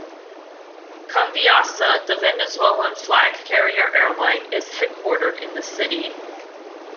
Conviasa, the Venezuelan flag carrier airline, is headquartered in the city.